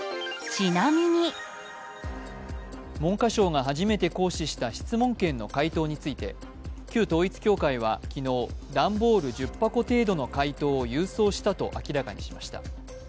文科省が初めて行使した質問権の回答について旧統一教会は昨日、段ボール１０箱程度の回答を郵送したと明らかにしました。